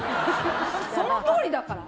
そのとおりだから。